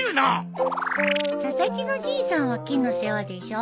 佐々木のじいさんは木の世話でしょ。